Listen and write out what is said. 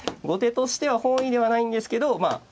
後手としては本意ではないんですけど。